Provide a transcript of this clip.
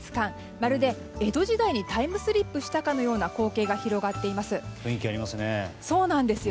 まるで、江戸時代にタイムスリップしたかのような光景が広がっています。